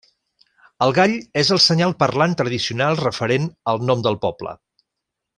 El gall és el senyal parlant tradicional referent al nom del poble.